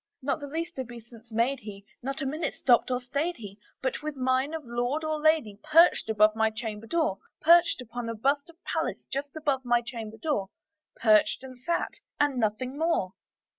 Not the least obeisance made he; not a minute stopped or stayed he; But, with mien of lord or lady, perched above my chamber door Perched upon a bust of Pallas just above my chamber door Perched, and sat, and nothing more.